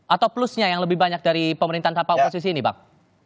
atau plusnya yang lebih banyak dari pemerintahan tanpa oposisi ini bang